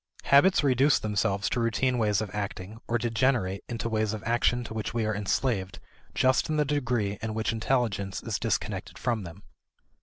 Habits reduce themselves to routine ways of acting, or degenerate into ways of action to which we are enslaved just in the degree in which intelligence is disconnected from them.